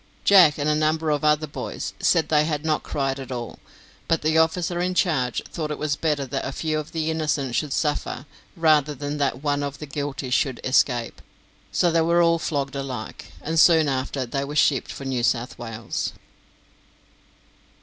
Jack, and a number of other boys, said they had not cried at all, but the officer in charge thought it was better that a few of the innocent should suffer rather than that one of the guilty should escape, so they were all flogged alike, and soon after they were shipped for New South Wales.